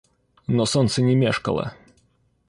Но солнце не мешкало.